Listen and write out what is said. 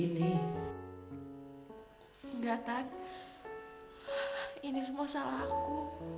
ini semua salah aku